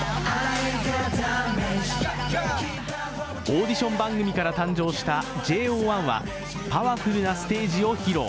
オーディション番組から誕生したＪＯ１は、パワフルなステージを披露。